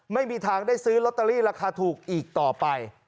ไม่มีทางได้ซื้อลอตเตอรี่ราคาถูกอีกต่อไป